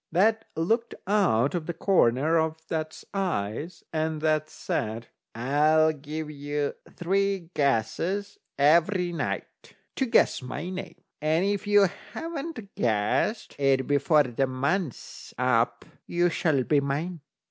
That looked out of the corner of that's eyes, and that said: "I'll give you three guesses every night to guess my name, and if you haven't guessed it before the month's up you shall be mine."